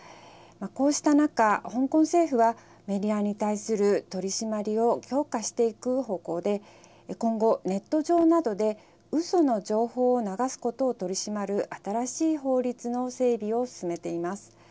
こうした中、香港政府はメディアに対する取締りを強化していく方向で今後、ネット上などでうその情報を流すことを取り締まる新しい法律の整備を進めています。